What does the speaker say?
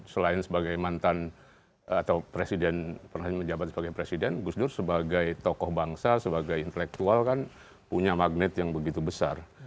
selain sebagai mantan atau presiden pernah menjabat sebagai presiden gus dur sebagai tokoh bangsa sebagai intelektual kan punya magnet yang begitu besar